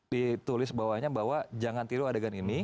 dikisahkan bahwa jangan tiru adegan ini